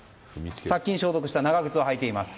殺菌消毒した長靴を履いています。